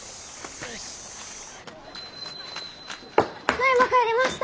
ただいま帰りました！